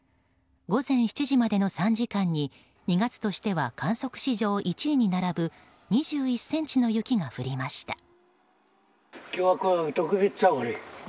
午前７時までの３時間で２月としては観測史上１位に並ぶ２１ｃｍの雪が降りました。